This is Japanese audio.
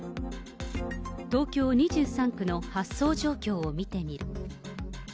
東京２３区の発送状況を見てみる。